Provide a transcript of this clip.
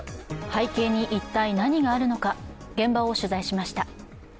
背景に一体、何があるのか現場を取材しました。